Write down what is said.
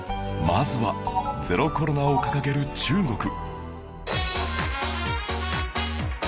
まずはゼロコロナを掲げる中国